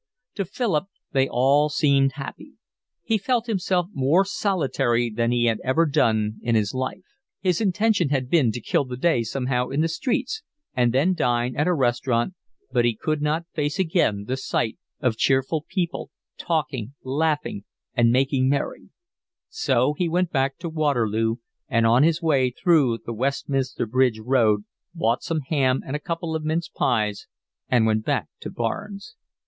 To Philip they all seemed happy. He felt himself more solitary than he had ever done in his life. His intention had been to kill the day somehow in the streets and then dine at a restaurant, but he could not face again the sight of cheerful people, talking, laughing, and making merry; so he went back to Waterloo, and on his way through the Westminster Bridge Road bought some ham and a couple of mince pies and went back to Barnes.